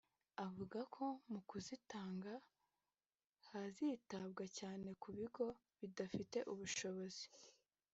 avuga ko mu kubitanga hizitabwa cyane ku bigo bidafite ubushobozi